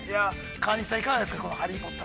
川西さん、いかがですか、「ハリー・ポッター」。